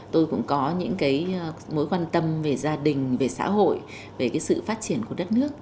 tôi cũng có những cái mối quan tâm về gia đình về xã hội về cái sự phát triển của đất nước